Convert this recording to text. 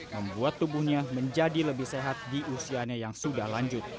membuat tubuhnya menjadi lebih sehat di usianya yang sudah lanjut